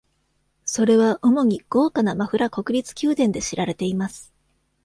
それは主に豪華なマフラ国立宮殿で知られています。